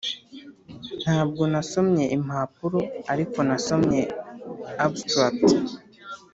ntabwo nasomye impapuro, ariko nasomye abstract.